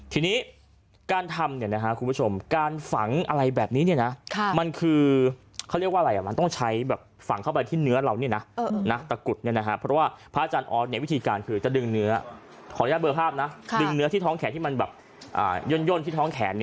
ทีนี้การทำคุณผู้ชมการฝังทิวแบบนี้